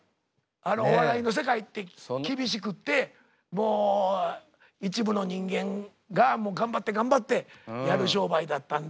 あのお笑いの世界って厳しくってもう一部の人間が頑張って頑張ってやる商売だったんで。